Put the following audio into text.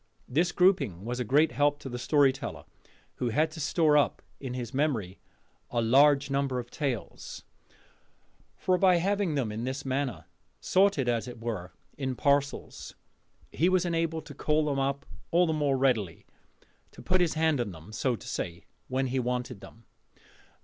This grouping was a great help to the storyteller, who had to store up in his memory a large number of tales: for by having them in this manner, sorted as it were in parcels, he was enabled to call them up all the more readily to put his hand on them, so to say when he wanted them.